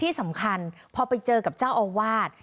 ที่สำคัญพอไปเจอกับเจ้าอาวาส